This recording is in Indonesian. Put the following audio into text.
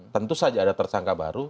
tentu saja ada tersangka baru